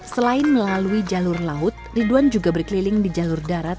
selain melalui jalur laut ridwan juga berkeliling di jalur darat